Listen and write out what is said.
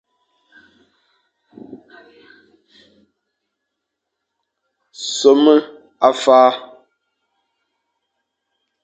Nsome a fa.